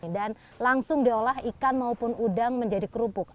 dan langsung diolah ikan maupun udang menjadi kerupuk